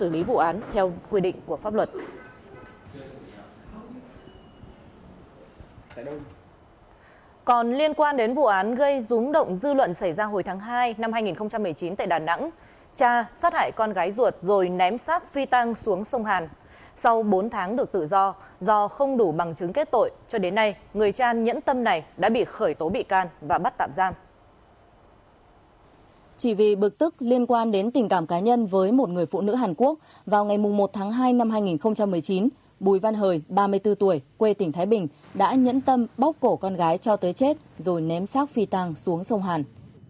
vì bực tức liên quan đến tình cảm cá nhân với một người phụ nữ hàn quốc vào ngày một tháng hai năm hai nghìn một mươi chín bùi văn hời ba mươi bốn tuổi quê tỉnh thái bình đã nhẫn tâm bóc cổ con gái cho tới chết rồi ném xác phi tăng xuống sông hàn